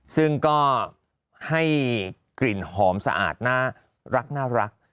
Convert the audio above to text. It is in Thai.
ซึ่งก็ให้กลิ่นหอมสะอาดน่ารัก